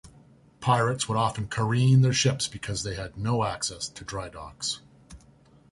Pirates would often careen their ships because they had no access to drydocks.